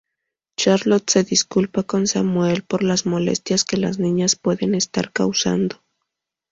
Charlotte se disculpa con Samuel por las molestias que las niñas pueden estar causando.